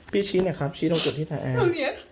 พี่ชี้นะครับดูจุดที่ถามแอลล์